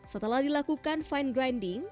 setelah dilakukan fine grinding